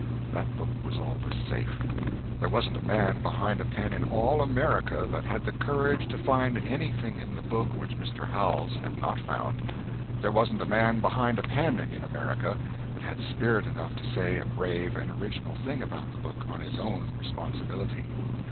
That book was always safe. There wasn't a man behind a pen in all America that had the courage to find anything in the book which Mr. Howells had not found there wasn't a man behind a pen in America that had spirit enough to say a brave and original thing about the book on his own responsibility.